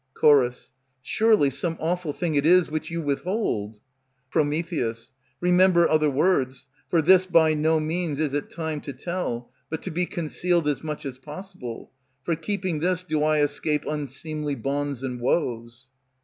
Ch. Surely some awful thing it is which you withhold. Pr. Remember other words, for this by no means Is it time to tell, but to be concealed As much as possible; for keeping this do I Escape unseemly bonds and woes.